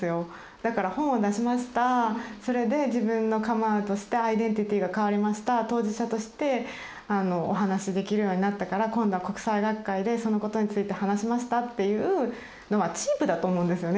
だから本を出しましたそれで自分のカムアウトしてアイデンティティーが変わりました当事者としてお話しできるようになったから今度は国際学会でそのことについて話しましたっていうのはチープだと思うんですよね